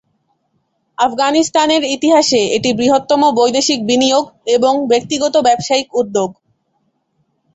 আফগানিস্তানের ইতিহাসে এটি বৃহত্তম বৈদেশিক বিনিয়োগ এবং ব্যক্তিগত ব্যবসায়িক উদ্যোগ।